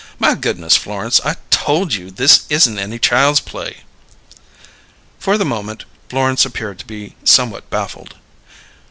My goodness, Florence, I told you this isn't any child's play!" For the moment, Florence appeared to be somewhat baffled.